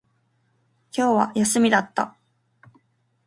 今日は休みだった